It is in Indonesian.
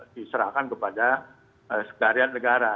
diserahkan kepada sekalian negara